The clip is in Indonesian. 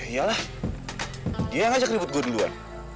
ya lah dia ngajak ribut gue duluan